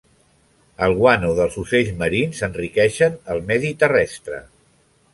El guano dels ocells marins enriqueixen el medi terrestre.